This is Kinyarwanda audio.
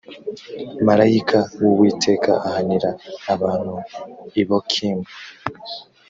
marayika w’uwiteka ahanira abantu i bokimu